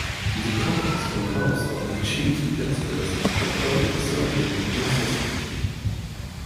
The Court is composed of a Chief Justice and eight Associate Justices.